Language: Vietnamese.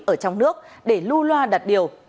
ở trong nước để lưu loa đặt điều